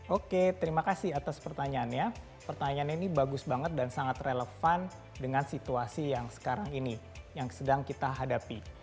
oke terima kasih atas pertanyaannya pertanyaannya ini bagus banget dan sangat relevan dengan situasi yang sekarang ini yang sedang kita hadapi